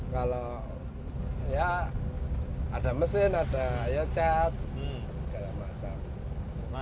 kalau ya ada mesin ada ya cat segala macam